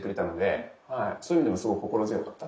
そういう意味でもすごく心強かった。